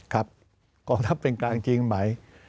กองทัพเป็นกลางจริงไหม